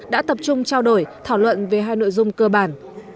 đã tập trung trao đổi thảo luận về hai nội dung cơ bản